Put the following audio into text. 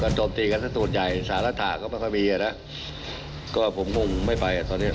การโจมตีกันส่วนใหญ่สารฐานก็ไม่ค่อยมีอ่ะนะก็ผมงุ่งไม่ไปอ่ะตอนนี้